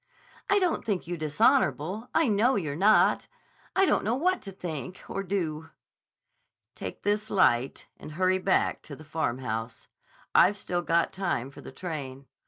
"I don't think you dishonorable. I know you're not. I don't know what to think or do." "Take this light and hurry back to the Farmhouse. I've still got time for the train.